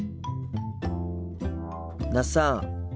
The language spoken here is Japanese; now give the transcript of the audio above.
那須さん。